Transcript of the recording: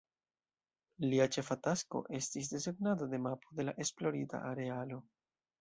Lia ĉefa tasko estis desegnado de mapo de la esplorita arealo.